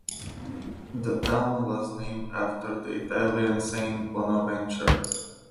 The town was named after the Italian saint Bonaventure.